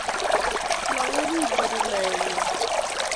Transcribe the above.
Lakok kiburi nae ng'wai